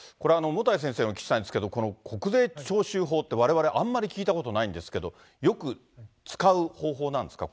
もたい先生にお聞きしたいんですけど、この国税徴収法って、われわれあんまり聞いたことないんですけど、よく使う方法なんですか？